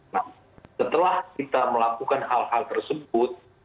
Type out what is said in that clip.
nah setelah kita melakukan hal hal tersebut